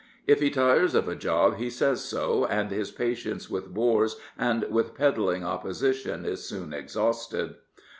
If he tires of a job he says so, and his patience with bores and with peddling opposition is soon exhausted.